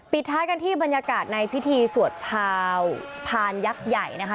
ท้ายกันที่บรรยากาศในพิธีสวดพาวพานยักษ์ใหญ่นะคะ